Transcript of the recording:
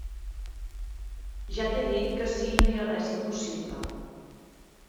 Ja t'he dit que ací no hi ha res impossible.